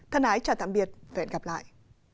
thân ái chào tạm biệt và hẹn gặp lại